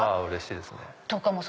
うれしいですね。